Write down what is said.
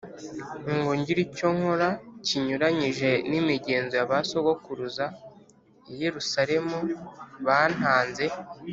ngo ngire icyo nkora kinyuranyije n imigenzo ya ba sogokuruza i Yerusalemu bantanze